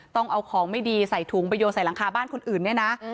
ต้องเอาของไม่ดีใส่ถุงไปโยนใส่หลังคาบ้านคนอื่นเนี่ยนะ